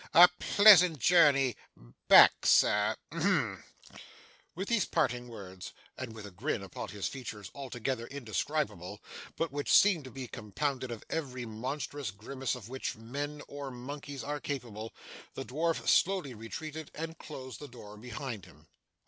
A pleasant journey back, sir. Ahem!' With these parting words, and with a grin upon his features altogether indescribable, but which seemed to be compounded of every monstrous grimace of which men or monkeys are capable, the dwarf slowly retreated and closed the door behind him.